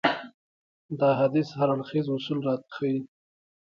دا حديث هر اړخيز اصول راته ښيي.